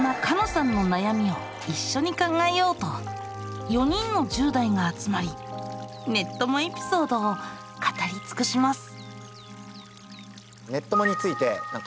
さんの悩みを一緒に考えようと４人の１０代が集まりネッ友エピソードを語りつくします！